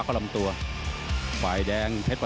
ขึ้นมาถอดมงคลให้กับพระเริงชัยนะครับ